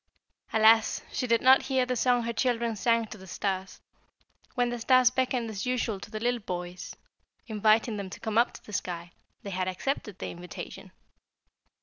"Alas! she did not hear the song her children sang to the stars. When the stars beckoned as usual to the little boys, inviting them to come up to the sky, they had accepted the invitation.